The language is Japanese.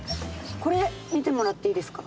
これ見てもらっていいですか？